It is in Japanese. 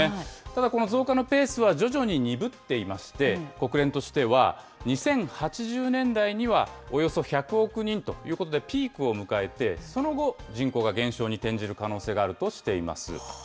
ただ、この増加のペースは徐々に鈍っていまして、国連としては、２０８０年代にはおよそ１００億人ということでピークを迎えて、その後、人口が減少に転じる可能性があるとしています。